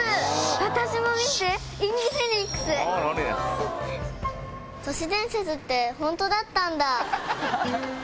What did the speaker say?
私も見て、都市伝説って、本当だったんだ。